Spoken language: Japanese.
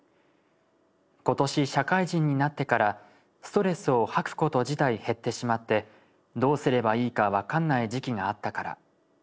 今年社会人になってからストレスを吐くこと自体減ってしまってどうすればいいかわかんない時期があったから。